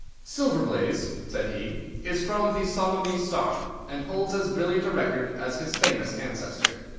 "Silver Blaze," said he, "is from the Isonomy stock, and holds as brilliant a record as his famous ancestor.